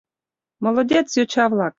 Молодец, йоча-влак!